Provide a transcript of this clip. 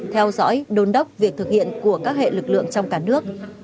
theo dõi đồn đốc việc thực hiện của các hệ lực lượng trong cả nước